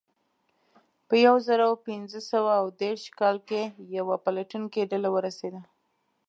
په یو زرو پینځه سوه اوه دېرش کال کې یوه پلټونکې ډله ورسېده.